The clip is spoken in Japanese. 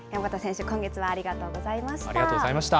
山縣選手、今月、ありがとうございました。